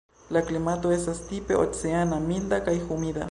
La klimato estas tipe oceana, milda kaj humida.